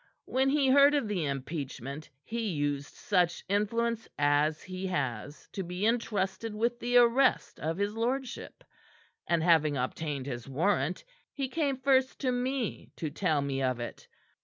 "When he heard of the impeachment, he used such influence as he has to be entrusted with the arrest of his lordship; and having obtained his warrant, he came first to me to tell me of it.